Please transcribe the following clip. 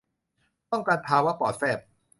ป้องกันภาวะปอดแฟบ